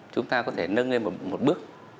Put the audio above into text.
chúng ta có thể nâng lên một bước